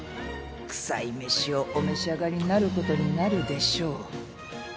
臭い飯をお召し上がりになることになるでしょう。